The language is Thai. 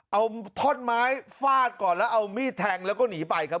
เอาท่อนไม้ฟาดก่อนแล้วเอามีดแทงแล้วก็หนีไปครับ